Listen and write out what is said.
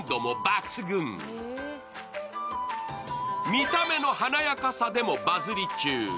見た目の華やかさでもバズり中。